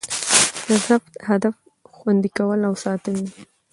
د ضبط هدف؛ خوندي کول او ساتل دي.